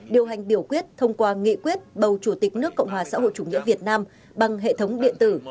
điều hành biểu quyết thông qua nghị quyết bầu chủ tịch nước cộng hòa xã hội chủ nghĩa việt nam bằng hệ thống điện tử